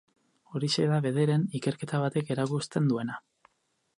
Horixe da, bederen, ikerketa batek erakusten duena.